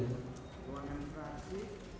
di ruangan peraksi